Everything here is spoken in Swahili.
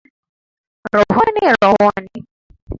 Rohoni Rohoni